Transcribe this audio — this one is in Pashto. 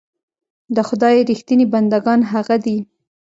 د خدای رښتيني بندګان هغه دي.